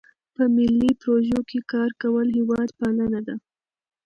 په ملي پروژو کې کار کول هیوادپالنه ده.